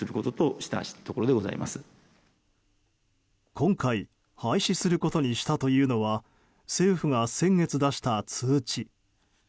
今回、廃止することにしたというのは政府が先月出した通知。